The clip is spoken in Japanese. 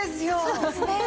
そうですね。